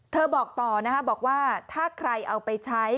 บอกต่อนะฮะบอกว่าถ้าใครเอาไปใช้